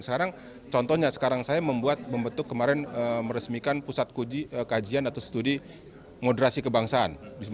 sekarang contohnya sekarang saya membuat membentuk kemarin meresmikan pusat kajian atau studi moderasi kebangsaan